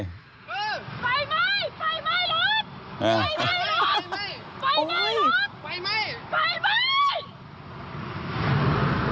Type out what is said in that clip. ไฟไหม้